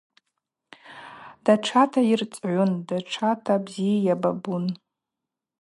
Датшата йырцӏгӏун, датшата бзи йабабун.